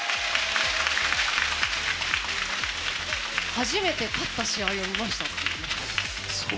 初めて勝った試合を見ましたって。